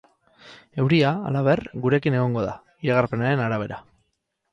Euria, halaber, gurekin egongo da, iragarpenaren arabera.